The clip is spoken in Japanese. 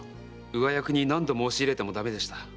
上役に何度申し入れてもだめでした。